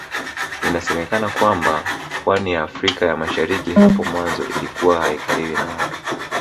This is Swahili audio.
Inasemekana kwamba pwani ya Afrika ya Mashariki hapo mwanzo ilikuwa haikaliwi na watu